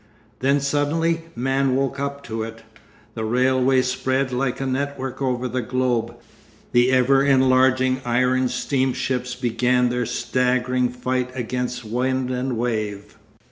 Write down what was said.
Then suddenly man woke up to it, the railways spread like a network over the globe, the ever enlarging iron steamships began their staggering fight against wind and wave.